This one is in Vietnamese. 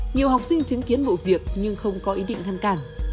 nhiều học sinh chứng kiến vụ việc nhưng không có ý định ngăn cản